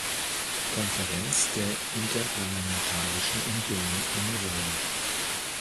Konferenz der Interparlamentarischen Union in Rom.